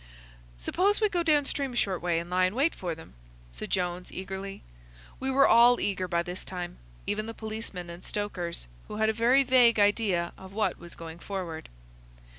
"Suppose we go down stream a short way and lie in wait for them," said Jones, eagerly. We were all eager by this time, even the policemen and stokers, who had a very vague idea of what was going forward.